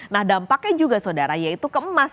nah dampaknya juga saudara yaitu ke emas